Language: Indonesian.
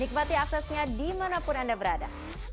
nikmati aksesnya dimanapun anda berada